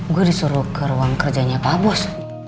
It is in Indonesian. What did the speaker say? gue disuruh ke ruang kerjanya pak bos